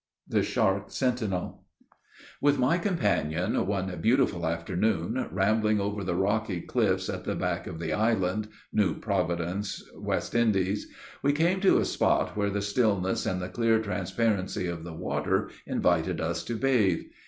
THE SHARK SENTINEL. With my companion, one beautiful afternoon, rambling over the rocky cliffs at the back of the island, (New Providence, W.I.,) we came to a spot where the stillness and the clear transparency of the water invited us to bathe.